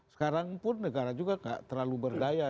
sekarang pun negara juga gak terlalu berdaya